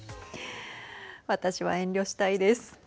私は遠慮したいです。